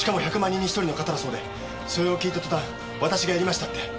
人に１人の型だそうでそれを聞いたとたん「私がやりました」って。